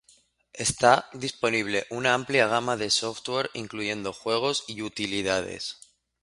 Está disponible una amplia gama de software, incluyendo juegos y utilidades.